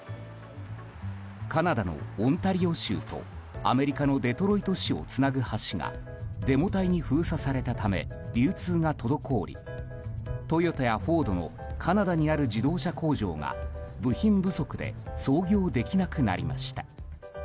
カナダのオンタリオ州とアメリカのデトロイト市をつなぐ橋がデモ隊に封鎖されたため流通が滞りトヨタやフォードのカナダにある自動車工場が部品不足で操業できなくなりました。